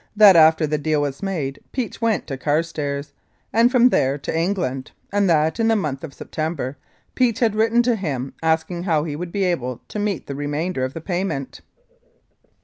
That after the deal was made Peach went to Carstairs, and from there to England, and that, in the month of September, Peach had written to him asking how he would be able to meet the remainder of the payment.